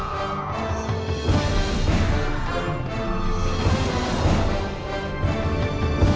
โปรดติดตามตอนต่อไป